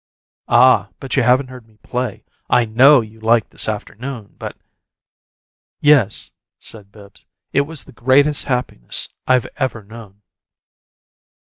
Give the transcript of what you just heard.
"Ah, but you haven't heard me play. I KNOW you liked this afternoon, but " "Yes," said Bibbs. "It was the greatest happiness I've ever known."